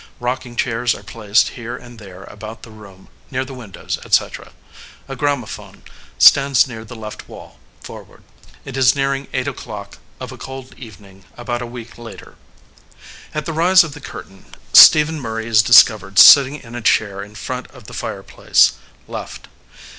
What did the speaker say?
Rocking chairs are placed here and there about the room, near the windows, etc. A gramophone stands near the left wall, forward. It is nearing eight o clock of a cold evening about a week later. At the rise of the curtain Stephen Murray is discovered sitting in a chair in front of the fire place, left.